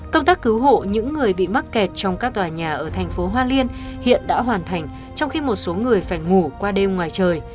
công tác cứu hộ những người bị mắc kẹt trong các tòa nhà ở thành phố hoa liên hiện đã hoàn thành trong khi một số người phải ngủ qua đêm ngoài trời